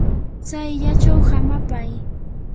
tsayllachaw hamapay.